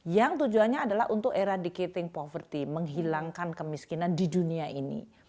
yang tujuannya adalah untuk eradicating poverty menghilangkan kemiskinan di dunia ini